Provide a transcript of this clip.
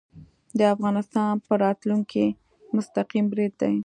د افغانستان په راتلونکې مستقیم برید دی